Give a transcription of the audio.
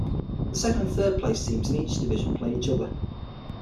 The second and third place teams in each division play each other.